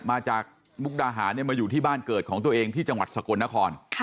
มาจากมุกดาหารมาอยู่ที่บ้านเกิดของตัวเองที่จังหวัดสกลนคร